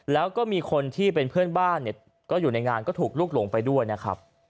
แล้วก็มีคนที่เป็นเพื่อนบ้านเนี่ยก็อยู่ในงานก็ถูกลูกหลงไปด้วยนะครับ